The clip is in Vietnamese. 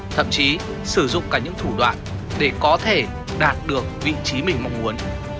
thậm chí sử dụng cả những thủ đoạn để có thể đạt được vị trí mình mong muốn